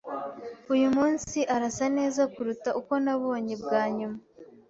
Uyu munsi arasa neza kuruta uko nabonye bwa nyuma.